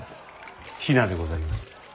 比奈でございます。